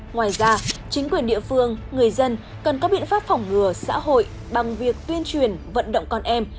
ngoài ra chính quyền địa phương người dân cần có biện pháp phòng ngừa xã hội bằng việc tuyên truyền vận động con em